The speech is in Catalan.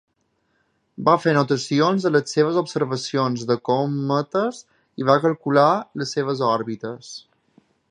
Va fer anotacions de les seves observacions de cometes i va calcular les seves òrbites.